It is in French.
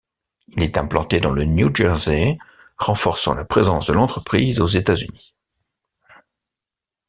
Il est implanté dans le New Jersey renforçant la présence de l’entreprise aux États-Unis.